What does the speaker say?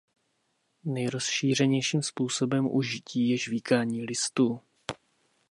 Nejrozšířenějším způsobem užití je žvýkání listů.